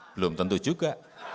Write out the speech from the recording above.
belum tentu juga